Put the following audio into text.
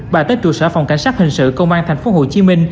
bà tới trụ sở phòng cảnh sát hình sự công an tp hcm